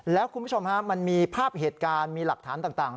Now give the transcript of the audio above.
แล้วคุณผู้ชมฮะมันมีภาพเหตุการณ์มีหลักฐานต่าง